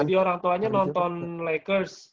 jadi orang tuanya nonton lakers